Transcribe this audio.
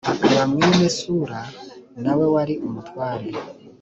akaba mwene suru na we wari umutware.